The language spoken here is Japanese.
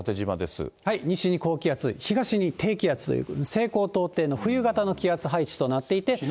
西に高気圧、東に低気圧と、西高東低の冬型の気圧配置となっていて。